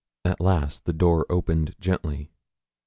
At last the door opened gently.